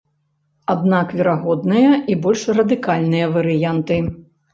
Аднак верагодныя і больш радыкальныя варыянты.